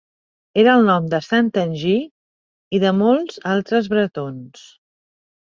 Era el nom de Sant Tangi i de molts altres bretons.